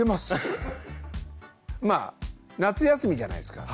まあ夏休みじゃないですか。